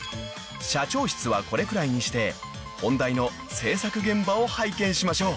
［社長室はこれくらいにして本題の制作現場を拝見しましょう］